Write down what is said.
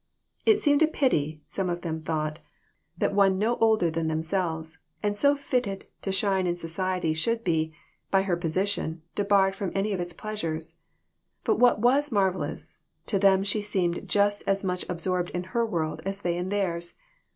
It seemed a pity, some of them thought, 228 THIS WORLD, AND THE OTHER ONE. that one no older than themselves and so fitted to shine in society should be, by her position, debarred from any of its pleasures. But what was marvelous, to them she seemed just as much absorbed in her world as they in theirs.